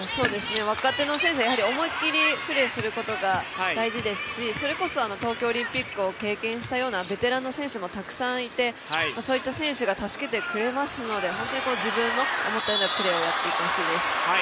若手の選手は、やはり思いっきりプレーすることが大事ですしそれこそ、東京オリンピックを経験したようなベテランの選手もたくさんいてそういった選手が助けてくれますので本当に自分の思ったようなプレーをやっていってほしいです。